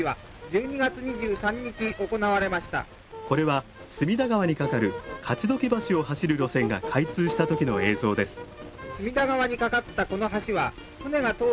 これは隅田川にかかる勝鬨橋を走る路線が開通した時の映像です。